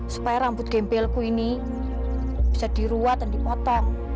supaya rambut gembelku ini bisa diruat dan dipotong